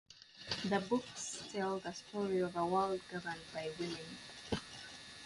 The book tells the story of a world governed by women.